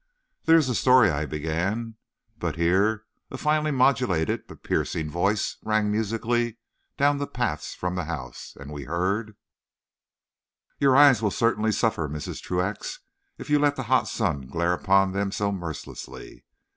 "There is a story," I began; but here a finely modulated but piercing voice rang musically down the paths from the house, and we heard: "Your eyes will certainly suffer, Mrs. Truax, if you let the hot sun glare upon them so mercilessly."